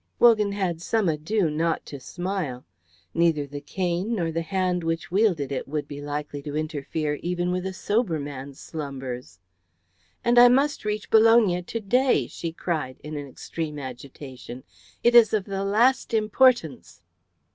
Wogan had some ado not to smile. Neither the cane nor the hand which wielded it would be likely to interfere even with a sober man's slumbers. "And I must reach Bologna to day," she cried in an extreme agitation. "It is of the last importance."